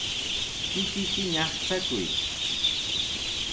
Kikiyki ñaqchakuy.